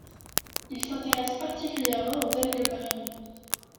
Il s’intéresse particulièrement aux algues marines.